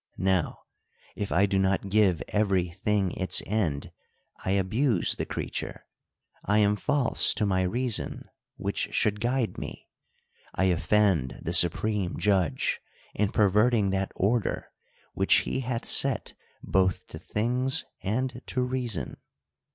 Now, if I do not give every thing its end, I abuse the creature ; I am false to my reason, which should guide me ; I offend the supreme Judge, in per verting that order which he hath set both to things and to reason.